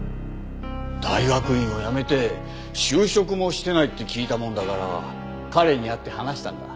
大学院を辞めて就職もしてないって聞いたもんだから彼に会って話したんだ。